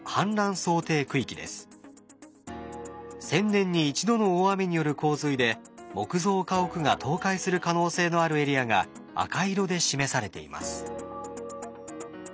１，０００年に１度の大雨による洪水で木造家屋が倒壊する可能性のあるエリアが赤色で示されています。